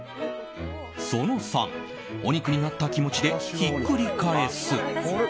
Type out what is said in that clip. その３、お肉になった気持ちでひっくり返す。